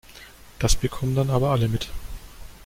Das bekommen dann aber alle mit.